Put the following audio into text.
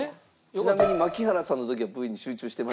ちなみに槙原さんの時はＶに集中してましたね。